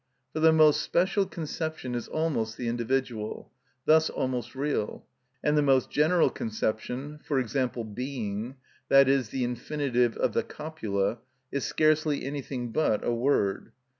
For the most special conception is almost the individual, thus almost real; and the most general conception, e.g., being (i.e., the infinitive of the copula), is scarcely anything but a word.